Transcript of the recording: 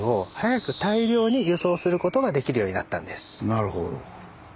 なるほど。